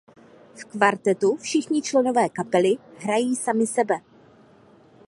V Kvartetu všichni členové kapely hrají sami sebe.